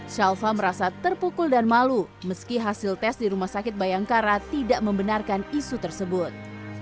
shalfa merasa terpukul dan malu meski hasil tes di rumah sakit bayangkara tidak membenarkan isu tersebut